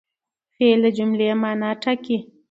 فعل د جملې مانا ټاکي.